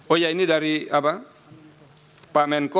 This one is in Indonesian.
oh ya ini dari pak menko